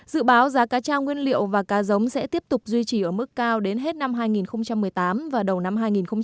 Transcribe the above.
dự báo giá cá tra nguyên liệu và cá giống sẽ tiếp tục duy trì ở mức cao đến hết năm hai nghìn một mươi tám và đầu năm hai nghìn một mươi chín